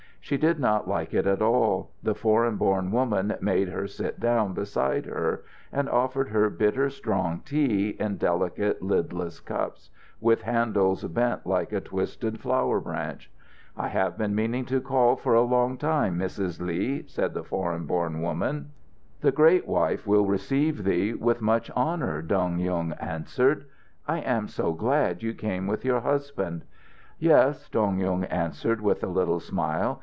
She did not like it at all. The foreign born woman made her sit down beside her, and offered her bitter, strong tea in delicate, lidless cups, with handles bent like a twisted flower branch. "I have been meaning to call for a long time, Mrs. Li," said the foreign born woman. "The great wife will receive thee with much honour," Dong Yung answered. "I am so glad you came with your husband." "Yes," Dong Yung answered, with a little smile.